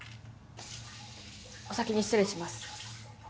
お先に失礼します。